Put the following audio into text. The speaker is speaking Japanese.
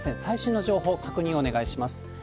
最新の情報、確認をお願いします。